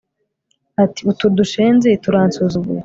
ati utu dushenzi turansuzuguye